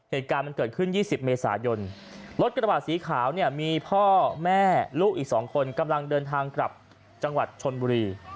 เหตุการณ์มันเกิดขึ้น๒๐เมษายนรถกระบาดสีขาวเนี่ยมีพ่อแม่ลูกอีก๒คนกำลังเดินทางกลับจังหวัดชนบุรี